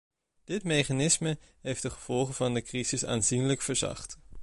Dit mechanisme heeft de gevolgen van de crisis aanzienlijk verzacht.